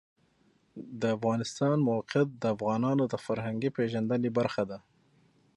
د افغانستان د موقعیت د افغانانو د فرهنګي پیژندنې برخه ده.